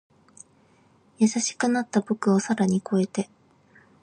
優しくなった僕を更に越えて